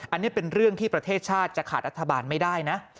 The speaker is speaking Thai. อันนี้เป็นเรื่องที่ประเทศชาติจะขาดรัฐบาลไม่ได้นะ